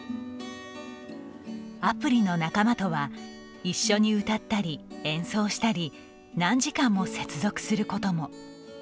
アプリの仲間とは一緒に歌ったり演奏したり何時間も接続することも。